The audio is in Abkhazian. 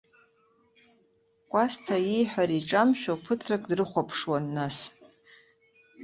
Кәасҭа ииҳәара иҿамшәо ԥыҭрак дрыхәаԥшуан, нас.